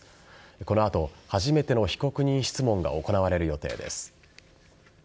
この後、初めての被告人質問が行われる予定です。